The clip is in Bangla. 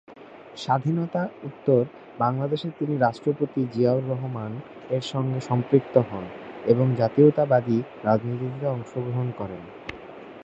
স্বাধীনতা-উত্তর বাংলাদেশে তিনি রাষ্ট্রপতি জিয়াউর রহমান-এর সঙ্গে সম্পৃক্ত হন এবং জাতীয়তাবাদী রাজনীতিতে অংশগ্রহণ করেন।